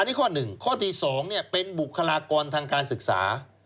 อันนี้ข้อหนึ่งข้อที่สองเนี่ยเป็นบุคลากรทางการศึกษา